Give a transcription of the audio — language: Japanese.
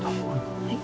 はい。